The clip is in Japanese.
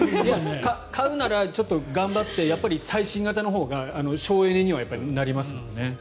買うならちょっと頑張って最新型のほうが省エネにはなりますもんね。